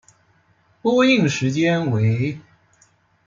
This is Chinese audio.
播映时间为。